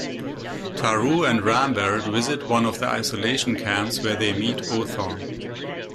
Tarrou and Rambert visit one of the isolation camps, where they meet Othon.